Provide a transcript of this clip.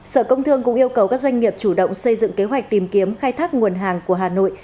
sở công thương cũng yêu cầu các doanh nghiệp chủ động xây dựng kế hoạch tìm kiếm khai thác nguồn hàng của hà nội